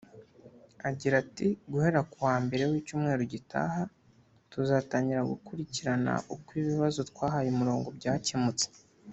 Agira ati “Guhera ku wa mbere w’icyumweru gitaha tuzatangira gukurikirana uko ibibazo twahaye umurongo byakemutse